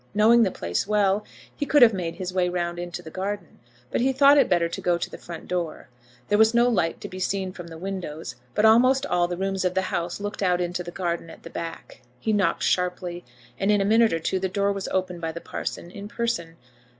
Knowing the place well, he could have made his way round into the garden; but he thought it better to go to the front door. There was no light to be seen from the windows; but almost all the rooms of the house looked out into the garden at the back. He knocked sharply, and in a minute or two the door was opened by the parson in person.